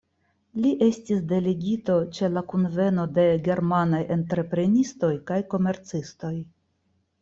Li estis delegito ĉe la kunveno de germanaj entreprenistoj kaj komercistoj.